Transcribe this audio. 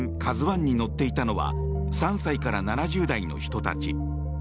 「ＫＡＺＵ１」に乗っていたのは３歳から７０代の人たち。